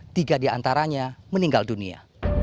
tiga di antaranya meninggal dunia